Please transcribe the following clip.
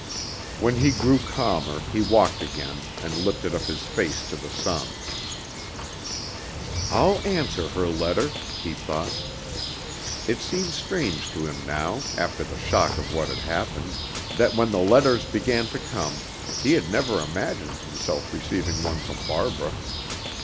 When he grew calmer he walked again, and lifted up his face to the sun. "I'll answer her letter," he thought. It seemed strange to him now, after the shock of what had happened, that when the letters began to come, he had never imagined himself receiving one from Barbara.